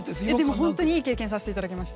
本当にいい経験をさせていただきました。